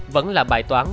vẫn là bài toán